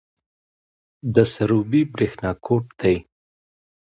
د سروبي بریښنا کوټ دی